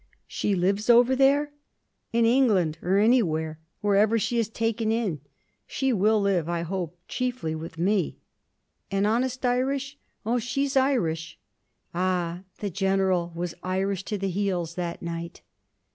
'She lives over there?' 'In England, or anywhere; wherever she is taken in. She will live, I hope, chiefly with me.' 'And honest Irish?' 'Oh, she's Irish.' 'Ah!' the General was Irish to the heels that night.